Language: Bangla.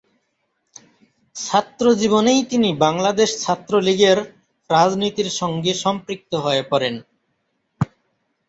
ছাত্র জীবনেই তিনি বাংলাদেশ ছাত্রলীগের রাজনীতির সঙ্গে সম্পৃক্ত হয়ে পড়েন।